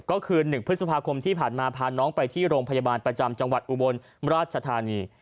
ก็คือ๑พฤษภาคมที่ผ่านมาพาน้องไปที่โรงพยาบาลประจำจังหวัดอุบลราชธานี